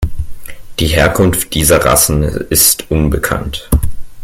Die Herkunft dieser Rassen ist unbekannt.